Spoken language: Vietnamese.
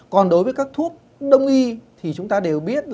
còn đối với các thuốc đông y thì chúng ta đều biết